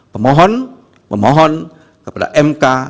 pemohon memohon kepada mk